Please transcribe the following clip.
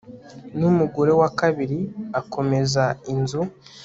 n'umugore wa kabiri akomeza inzu